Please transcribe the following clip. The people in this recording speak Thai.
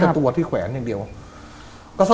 บางคนก็สันนิฐฐานว่าแกโดนคนติดยาน่ะ